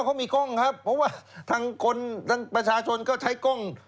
เขามีกล้องครับเพราะว่าทางคนประชาชนก็ใช้กล้อง